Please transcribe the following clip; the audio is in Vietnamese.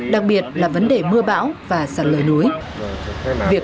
đặc biệt là vấn đề mưa bắt buộc